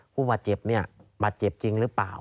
ผู้บาดเจ็บเนี่ยบาดเจ็บบาดเจ็บจริงหรือเปล่า